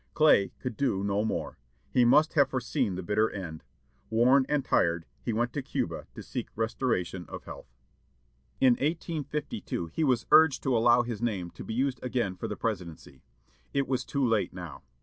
Clay could do no more. He must have foreseen the bitter end. Worn and tired, he went to Cuba to seek restoration of health. In 1852 he was urged to allow his name to be used again for the presidency. It was too late now.